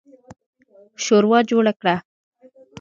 شورا جوړه کړه.